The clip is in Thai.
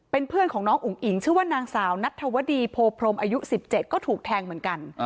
เป็นเพื่อนของน้องอุ๋งอิ๋งชื่อว่านางสาวนัทธวดีโพพรมอายุ๑๗ก็ถูกแทงเหมือนกัน